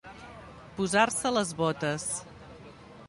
Posar-se les botes.